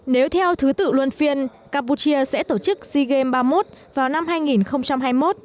nếu theo thứ tự luân phiên campuchia sẽ tổ chức sea games ba mươi một vào năm hai nghìn hai mươi một